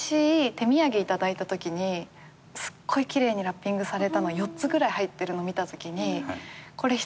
手土産頂いたときにすっごい奇麗にラッピングされたの４つぐらい入ってるの見たときにこれ１人で食べんのかって。